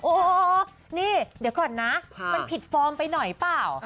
โอ้โหนี่เดี๋ยวก่อนนะมันผิดฟอร์มไปหน่อยเปล่า